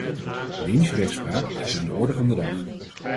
Lynchrechtspraak is aan de orde van de dag.